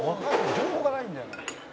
情報がないんだよね」